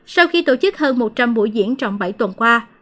sau khi tổ chức hơn một trăm linh buổi diễn trong bảy tuần qua